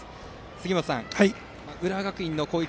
杉本さん、浦和学院の攻撃